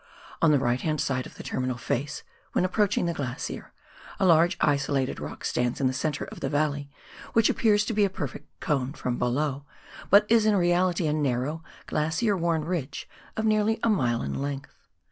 On the right hand side of the terminal face, when approaching the glacier, a large isolated rock stands in the centre of the valley, which appears to be a perfect cone from below, but is in reality a narrow glacier worn ridge of nearly a mile in length.